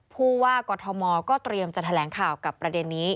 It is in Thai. ผู้ว่ากรทมก็เตรียมจะแถลงข่าวกับประเด็นนี้